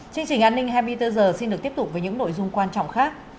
chương trình an ninh hai mươi bốn h xin được tiếp tục với những nội dung quan trọng khác